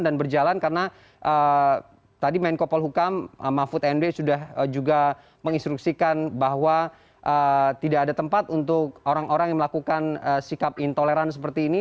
dan berjalan karena tadi main kopal hukam mahfud nw sudah juga menginstruksikan bahwa tidak ada tempat untuk orang orang yang melakukan sikap intoleran seperti ini